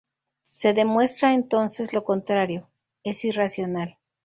Se demuestra entonces lo contrario: es irracional.